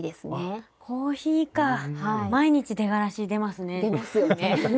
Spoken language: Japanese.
毎日出がらし出ますね。